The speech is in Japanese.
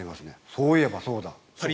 そういえばそうだ。